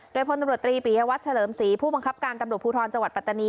โดยพลตำรวจตรีปิยวัตรเฉลิมศรีผู้บังคับการตำรวจภูทรจังหวัดปัตตานี